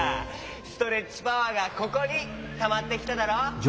ストレッチパワーがここにたまってきただろう。